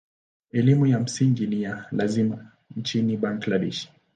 Elimu ya msingi ni ya lazima nchini Bangladesh.